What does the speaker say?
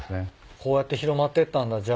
こうやって広まってったんだじゃあ。